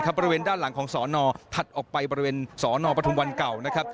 บริเวณด้านหลังของสรถัดออกไปบริเวณสรนอปทุมวันเก่า